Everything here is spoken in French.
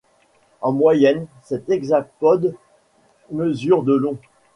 En moyenne, cet hexapode mesure de long.